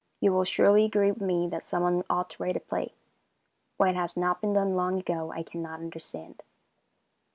You will surely agree with me that someone ought to write a play. Why it has not been done long ago, I cannot understand.